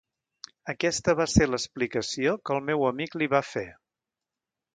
Aquesta va ser l’explicació que el meu amic li va fer.